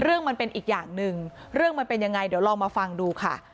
มันเป็นอีกอย่างหนึ่งเรื่องมันเป็นยังไงเดี๋ยวลองมาฟังดูค่ะ